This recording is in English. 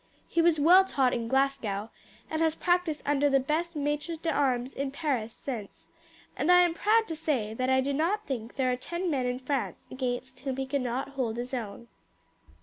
He was well taught in Glasgow, and has practised under the best maitres d'armes in Paris since, and I am proud to say that I do not think there are ten men in France against whom he could not hold his own."